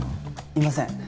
いません。